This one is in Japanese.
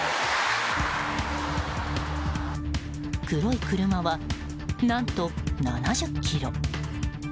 黒い車は、何と７０キロ。